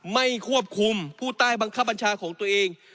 ไม่ควบคุมผู้ใต้บังคับบัญชาของตัวเอง